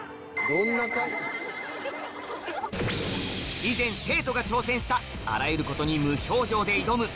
以前生徒が挑戦したあらゆることに無表情で挑む